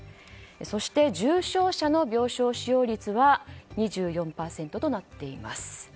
そして、重症者の病床使用率は２４％となっています。